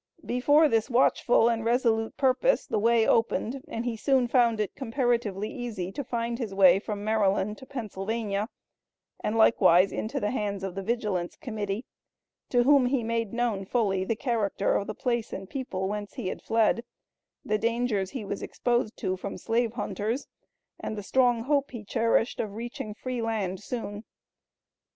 Before this watchful and resolute purpose the way opened, and he soon found it comparatively easy to find his way from Maryland to Pennsylvania, and likewise into the hands of the Vigilance Committee, to whom he made known fully the character of the place and people whence he had fled, the dangers he was exposed to from slave hunters, and the strong hope he cherished of reaching free land soon.